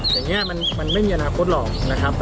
อย่างนี้มันไม่มีอนาคตหรอกนะครับ